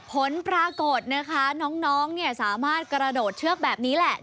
ผลปรากฏนะคะน้องสามารถกระโดดเชือกแบบนี้แหละ